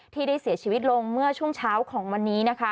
ที่ได้เสียชีวิตลงเมื่อช่วงเช้าของวันนี้นะคะ